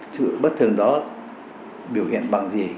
chữ bất thường đó biểu hiện bằng gì